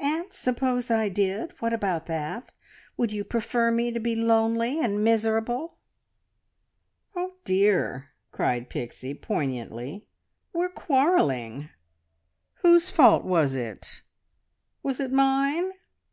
"And suppose I did? What about that? Would you prefer me to be lonely, and miserable?" "Oh dear!" cried Pixie poignantly; "we're quarrelling! Whose fault was it? Was it mine?